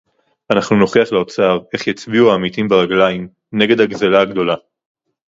אנחנו נוכיח לאוצר איך יצביעו העמיתים ברגליים נגד הגזלה הגדולה